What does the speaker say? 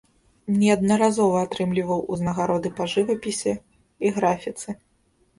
Неаднаразова атрымліваў ўзнагароды па жывапісе і графіцы.